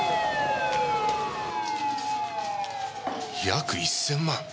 約１０００万！？